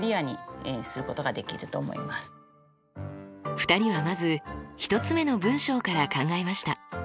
２人はまず１つ目の文章から考えました。